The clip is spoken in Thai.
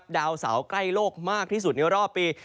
ดาวเสาใกล้โลกมากที่สุดในรอบปี